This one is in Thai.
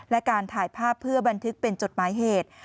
และการถ่ายภาพเพื่อบันทึกเป็นจดหมายเหตุ